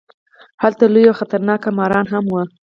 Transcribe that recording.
هلته لوی او خطرناک ماران هم وو.